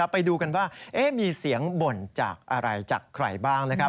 ไปดูกันว่ามีเสียงบ่นจากอะไรจากใครบ้างนะครับ